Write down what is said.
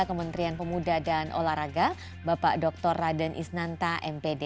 kementerian pemuda dan olahraga bapak dr raden isnanta mpd